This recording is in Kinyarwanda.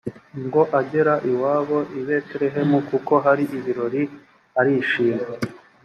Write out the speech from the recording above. ngo agere iwabo i betelehemu kuko hari ibirori arishima